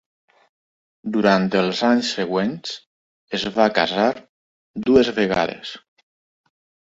Durant els anys següents, es va casar dues vegades.